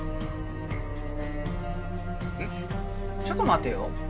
ちょっと待てよ。